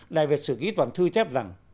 đại việt sử ký toàn thư chép rằng